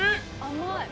甘い。